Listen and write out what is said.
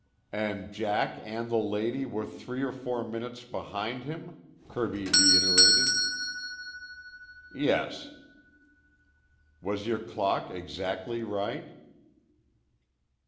"And Jack and the lady were three or four minutes behind him?" Kirby reiterated. "Yes." "Was your clock exactly right?"